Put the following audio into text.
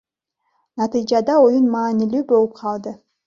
Натыйжада оюн маанилүү болуп калды.